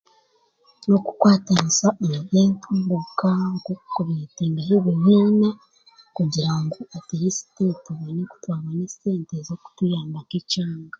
n'okukwatanisa omu by'entunguuka nk'oku kuriyetingaho ebibiina kugira ngu atirisiti tubone oku twamanya esente z'okutuyamba nk'ekyanga